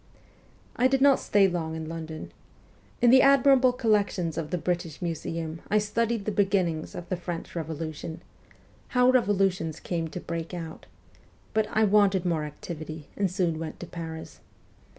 I did not stay long in London. In the admirable collections of the British Museum I studied the beginnings of the French Revolution how revolutions come to break out ; but I wanted more activity, and soon went to Paris.